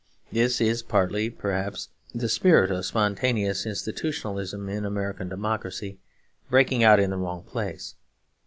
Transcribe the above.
This is partly perhaps the spirit of spontaneous institutionalism in American democracy, breaking out in the wrong place.